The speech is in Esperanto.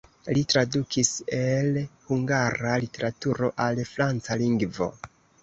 Li tradukis el hungara literaturo al franca lingvo.